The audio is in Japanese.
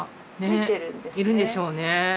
いるんでしょうね。